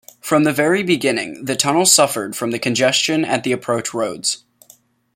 From the very beginning, the tunnel suffered from congestion at the approach roads.